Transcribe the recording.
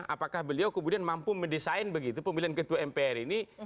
apakah beliau kemudian mampu mendesain begitu pemilihan ketua mpr ini